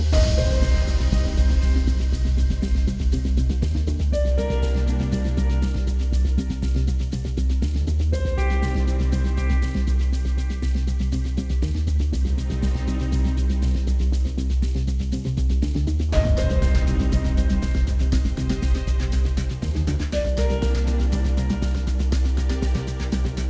โปรดติดตามตอนต่อไป